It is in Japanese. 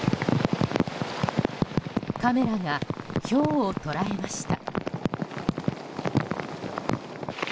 カメラがひょうを捉えました。